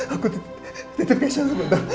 aku titip keisha sebentar